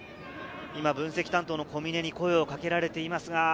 分析担当の小峰に声をかけられています。